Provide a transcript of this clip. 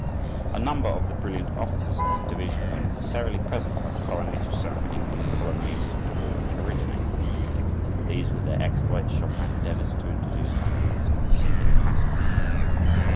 A number of the brilliant officers of this division were necessarily present at the coronation ceremony when the polonaise form originated, and these with their exploits Chopin endeavors to introduce by means of this singular passage.